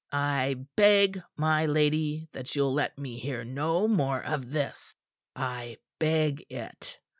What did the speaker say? I beg, my lady, that you'll let me hear no more of this, I beg it.